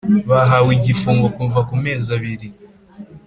bahawe igifungo kuva ku mezi abiri